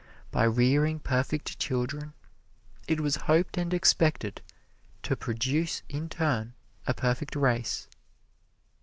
By rearing perfect children, it was hoped and expected to produce in turn a perfect race.